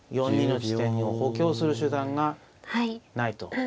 ４二の地点を補強する手段がないと。